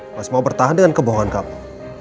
masih mau bertahan dengan kebohongan kamu